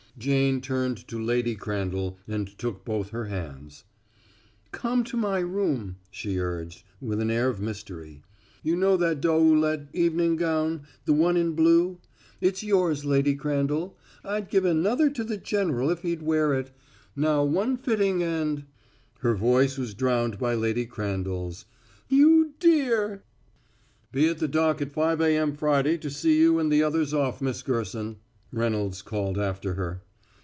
Jane turned to Lady Crandall and took both her hands. "Come to my room," she urged, with an air of mystery. "You know that Doeuillet evening gown the one in blue? It's yours, Lady Crandall. I'd give another to the general if he'd wear it. Now one fitting and " Her voice was drowned by Lady Crandall's: "You dear!" "Be at the dock at five A.M. Friday to see you and the others off, Miss Gerson," Reynolds called after her.